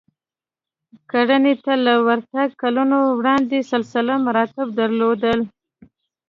کرنې ته له ورتګ کلونه وړاندې سلسله مراتب درلودل